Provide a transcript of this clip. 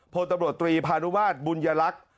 พตรตรีพานุมาตรบุญญลักษณ์